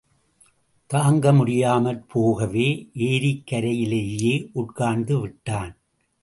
தாங்க முடியாமற் போகவே ஏரிக் கரையிலேயே உட்கார்ந்து விட்டான்.